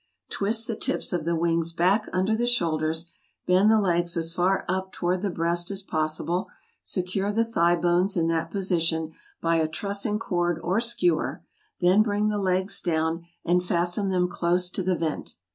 Twist the tips of the wings back under the shoulders; bend the legs as far up toward the breast as possible, secure the thigh bones in that position by a trussing cord or skewer; then bring the legs down, and fasten them close to the vent.